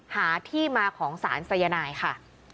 หาที่มาของสารสายนายค่ะ